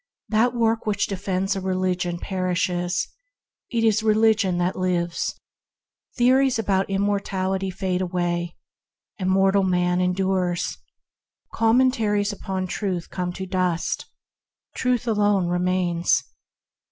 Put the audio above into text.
That work which defends a religion perishes; it is religion that lives. Theories about immortality fade away, immortal man endures; commentaries upon Truth come to the dust, Truth alone remains.